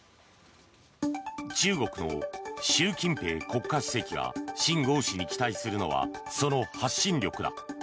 中国の習近平国家主席がシン・ゴウ氏に期待するのはその発信力だ。